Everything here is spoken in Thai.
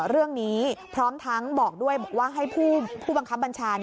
เรื่องนี้พร้อมทั้งบอกด้วยบอกว่าให้ผู้บังคับบัญชา